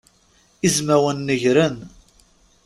Izmawen negren.